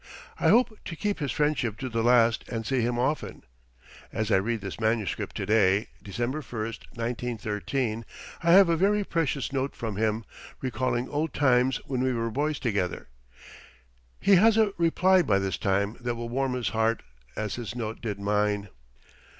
I hope to keep his friendship to the last and see him often. [As I read this manuscript to day, December 1, 1913, I have a very precious note from him, recalling old times when we were boys together. He has a reply by this time that will warm his heart as his note did mine.